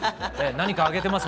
何か揚げてます